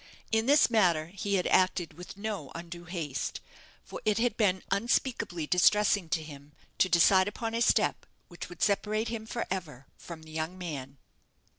In this matter he had acted with no undue haste; for it had been unspeakably distressing to him to decide upon a step which would separate him for ever from the young man.